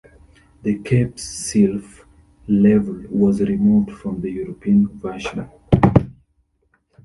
The Cape Sealph level was removed from the European version.